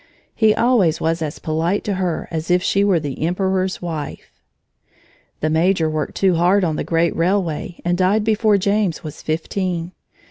He always was as polite to her as if she were the emperor's wife. The major worked too hard on the great railway and died before James was fifteen.